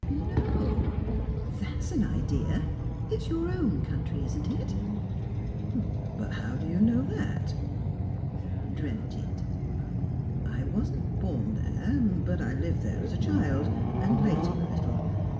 "No! That's an idea. It's your own country, isn't it?" "But how do you know that?" "Dreamt it." "I wasn't born there, but lived there as a child, and later a little.